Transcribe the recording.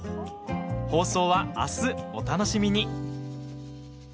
放送は明日、お楽しみに。